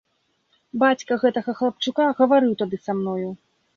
Бацька гэтага хлапчука гаварыў тады са мною.